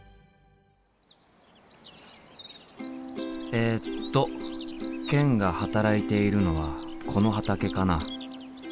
えっとケンが働いているのはこの畑かな？